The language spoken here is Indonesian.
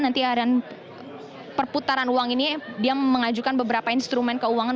nanti harian perputaran uang ini dia mengajukan beberapa instrumen keuangan